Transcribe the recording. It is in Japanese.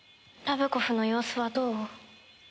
ラブコフの様子はどう？